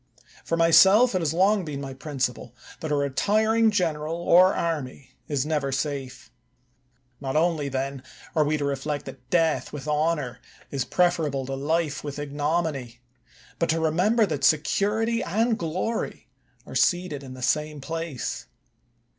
For myself, it has long been my principle, that a retiring general or army is never safe. Not only, then, are we to reflect that death with honor is preferable to life with ignominy, but to remember that security and glory are seated in the same place.